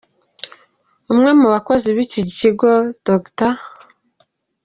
Umwe mu bakozi b’iki kigo, Dr.